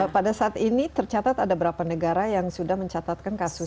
pada saat ini tercatat ada berapa negara yang sudah mencatatkan kasus